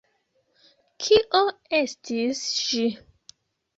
Kio estis ĝi?